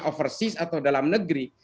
overseas atau dalam negeri